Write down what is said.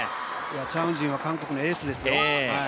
チャン・ウジンは韓国のエースですよ。